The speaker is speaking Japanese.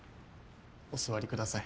お座りください。